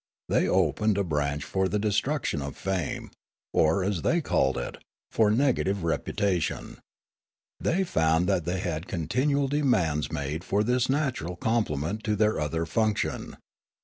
They opened a branch for the destruction of fame, or, as they called it, for negative reputation. Thej^ found that they had continual demands made for this natural com plement to their other function.